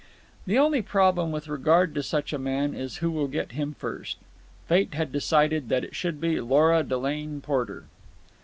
The only problem with regard to such a man is who will get him first. Fate had decided that it should be Lora Delane Porter.